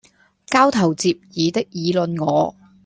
交頭接耳的議論我，